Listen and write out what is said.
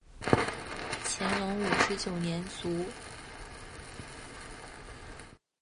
乾隆五十九年卒。